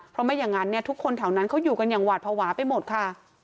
เพราะไม่อย่างนั้นเนี่ยทุกคนแถวนั้นเขาอยู่กันอย่างหวาดภาวะไปหมดค่ะ